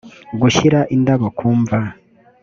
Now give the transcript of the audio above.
gushyira indabo ku mva